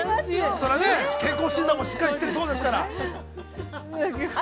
◆そらね、健康診断もしっかりしてるそうですから。